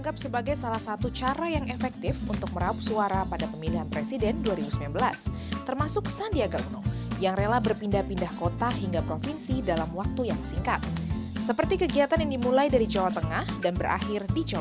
bersama calon wakil presiden nomor urut dua sandiaga uno